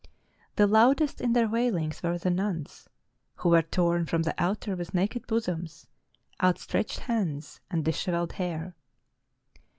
The loudest in their w^ailings were the nuns, who were torn from the altar with naked bosoms, outstretched hands, and disheveled hair.